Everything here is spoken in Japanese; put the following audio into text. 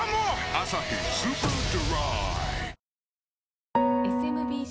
「アサヒスーパードライ」